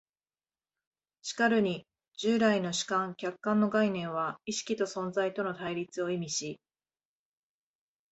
しかるに従来の主観・客観の概念は意識と存在との対立を意味し、